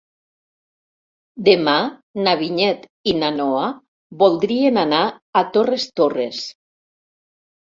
Demà na Vinyet i na Noa voldrien anar a Torres Torres.